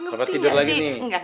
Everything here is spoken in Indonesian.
papa tidur lagi nih